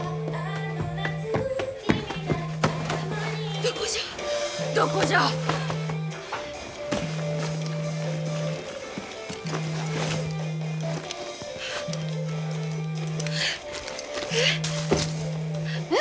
どこじゃどこじゃえっえっ